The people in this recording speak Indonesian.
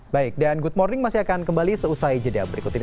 baik dan good morning masih akan kembali seusai jeda berikut ini